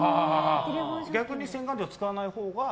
逆に洗顔料使わないほうが。